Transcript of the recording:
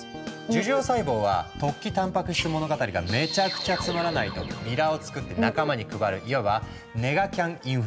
樹状細胞は「突起たんぱく質物語」がめちゃくちゃつまらないとビラをつくって仲間に配るいわばネガキャンインフルエンサーだ。